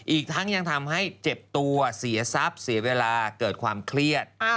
อีกทั้งยังทำให้เจ็บตัวเสียทรัพย์เสียเวลาเกิดความเครียด